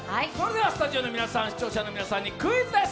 スタジオの皆さん、視聴者の皆さんにクイズです。